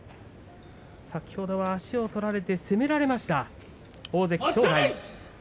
先ほどは足を取られて攻められました大関正代。